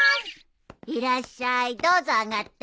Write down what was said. いらっしゃいどうぞ上がって。